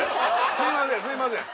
すいませんすいません